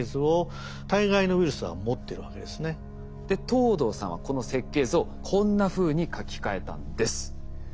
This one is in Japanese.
藤堂さんはこの設計図をこんなふうに書き換えたんです。